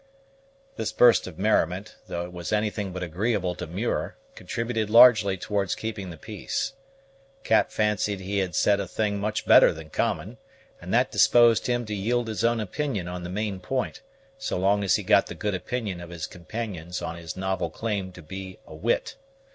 This burst of merriment, though it was anything but agreeable to Muir, contributed largely towards keeping the peace. Cap fancied he had said a thing much better than common; and that disposed him to yield his own opinion on the main point, so long as he got the good opinion of his companions on his novel claim to be a wit.